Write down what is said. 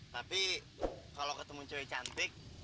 tapi kalo ketemu cewe cantik